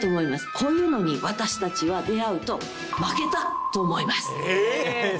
こういうのに私たちは出会うと、負けたって思いますね。